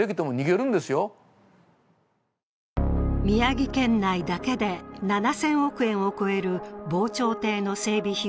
宮城県内だけで７０００億円を超える防潮堤の整備